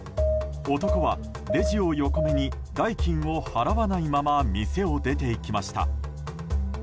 男はレジを横目に代金を払わないまま店を出て行きました。